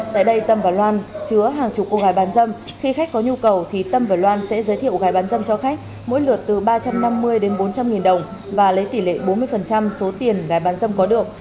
tại đây tâm và loan chứa hàng chục cô gái bán dâm khi khách có nhu cầu thì tâm và loan sẽ giới thiệu gái bán dâm cho khách mỗi lượt từ ba trăm năm mươi đến bốn trăm linh nghìn đồng và lấy tỷ lệ bốn mươi số tiền gái bán dâm có được